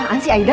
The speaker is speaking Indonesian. apaan sih aida